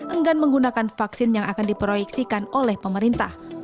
enggan menggunakan vaksin yang akan diproyeksikan oleh pemerintah